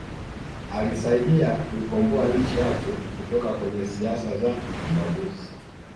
Alisaidia kuikomboa nchi yake kutoka kwenye siasa za ubaguzi